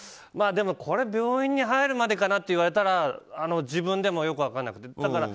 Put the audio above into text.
でも、これ、病院に入るまでかなって言われたら自分でもよく分からなくて。